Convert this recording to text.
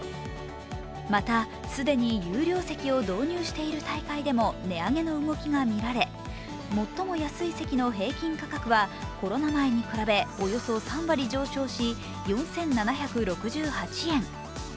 また、既に有料席を導入している大会でも値上げの動きがみられ最も安い席の平均価格はコロナ前に比べおよそ３割上昇し、４７６８円。